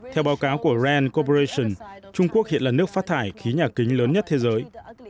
theo báo cáo của ren coperation trung quốc hiện là nước phát thải khí nhà kính lớn nhất thế giới